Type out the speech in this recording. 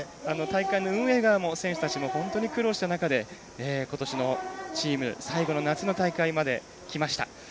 大会の運営側も選手たちも本当に苦労した中でことしのチーム最後の夏の大会まできました。